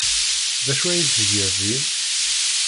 D acu ay tgiḍ din?